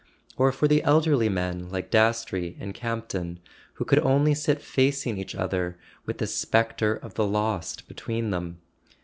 Or for the elderly men like Dastrey and Campton, who could only sit facing each other with the spectre of the lost between them